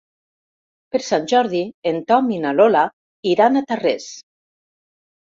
Per Sant Jordi en Tom i na Lola iran a Tarrés.